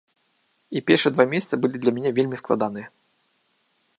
І першыя два месяцы былі для мяне вельмі складаныя.